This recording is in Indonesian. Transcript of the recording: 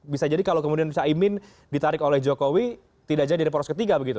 bisa jadi kalau kemudian caimin ditarik oleh jokowi tidak jadi di poros ketiga begitu